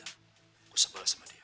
aku sebelah sama dia